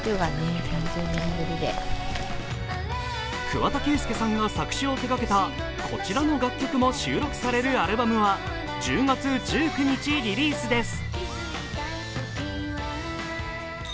桑田佳祐さんが作詞を手がけたこちらの楽曲も収録されるアルバムは１０月１９日リリースです。